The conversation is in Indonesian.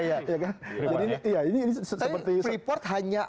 iya kan jadi ini seperti freeport hanya